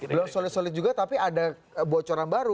belum solid solid juga tapi ada bocoran baru